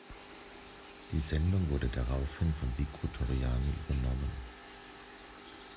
Die Sendung wurde daraufhin von Vico Torriani übernommen.